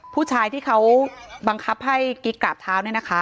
ผู้ชายที่เขาบังคับให้กิ๊กกราบเท้าเนี่ยนะคะ